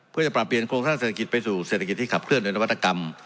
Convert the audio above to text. เพื่อจะปรับเปลี่ยนโครงสร้างเศรษฐกิจไปสู่เศรษฐกิจที่ขับเคลื่อนโดยนวัตกรรม